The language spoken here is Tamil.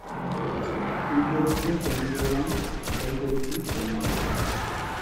குன்றெடுக்கும் பெருந்தோளான் கொடைகொடுக்கும் கையான்!